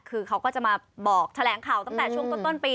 คือเขาก็จะมาบอกแถลงข่าวตั้งแต่ช่วงต้นปี